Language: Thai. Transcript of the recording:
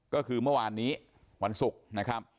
ก็คือเมื่อวานนี้วันศุกร์นะครับ